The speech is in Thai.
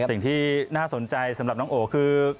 สิ่งที่น่าสนใจสำหรับน้องโอคือ